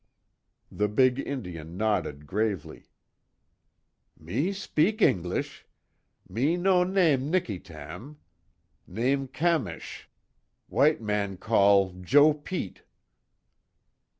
The big Indian nodded gravely, "Me spik Eengliss. Me no nem Nickytam. Nem Kamish W'ite man call Joe Pete."